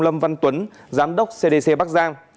lâm văn tuấn giám đốc cdc bắc giang